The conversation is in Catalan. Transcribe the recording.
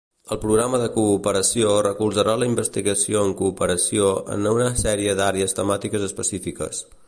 El programa de Cooperació recolzarà la investigació en cooperació en una sèrie d'àrees temàtiques específiques.